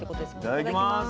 いただきます。